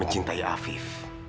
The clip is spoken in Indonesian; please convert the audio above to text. dan sangat mencintai afif